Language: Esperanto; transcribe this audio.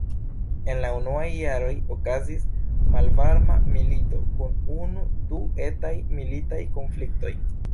En la unuaj jaroj okazis malvarma milito kun unu-du etaj militaj konfliktoj.